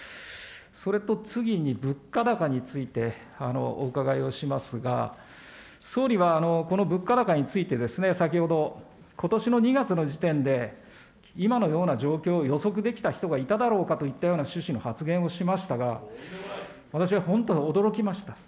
それと次に、物価高についてお伺いをしますが、総理はこの物価高についてですね、先ほど、ことしの２月の時点で、今のような状況を予測できた人がいただろうかといったような趣旨の発言をしましたが、私は本当に驚きました。